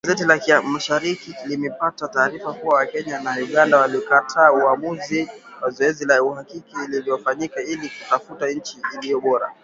Gazeti la Afrika Mashariki limepata taarifa kuwa, Kenya na Uganda walikataa uamuzi wa zoezi la uhakiki lililofanyika ili kutafuta nchi iliyo bora